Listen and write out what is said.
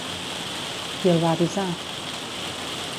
Qui el va avisar?